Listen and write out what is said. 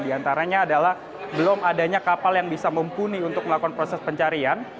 di antaranya adalah belum adanya kapal yang bisa mumpuni untuk melakukan proses pencarian